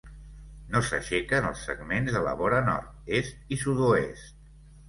No s'aixequen els segments de la vora nord, est i sud-oest.